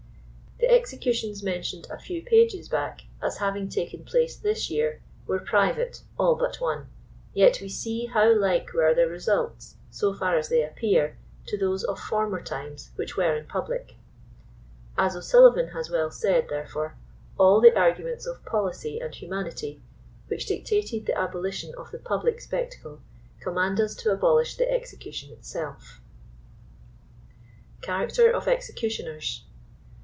The exe cutions mentioned a few pages back as having taken place this year, were private, all but one, yet we see how like were their results, so far as they appear, to those of former times which were in public. As O'Suliivan has well said, therefore, " all the arguments of policy and humanity which dictated the abo lition of the public spectacle, command us to abolish the exe cution itself." 80 CHARACTER OF EXECUTIONERS.